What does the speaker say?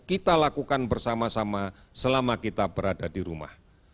kita lakukan bersama sama selama kita berada di rumah